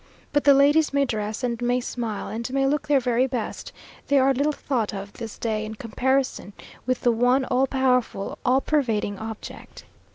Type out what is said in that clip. But the ladies may dress and may smile, and may look their very best; they are little thought of this day, in comparison with the one all powerful, all pervading object.